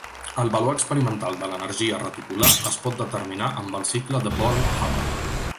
El valor experimental de l'energia reticular es pot determinar amb el cicle de Born-Haber.